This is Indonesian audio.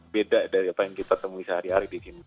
beda dari apa yang kita temui sehari hari di sini